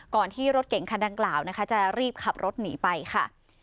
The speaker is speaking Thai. ที่รถเก๋งคันดังกล่าวนะคะจะรีบขับรถหนีไปค่ะ